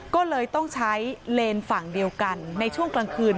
ก็เลยต้องใช้เลนส์ฝั่งเดียวกันในช่วงกลางคืน